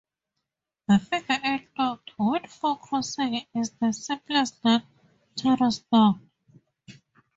The figure-eight knot, with four crossings, is the simplest non-torus knot.